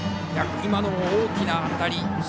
今の大きな当たり。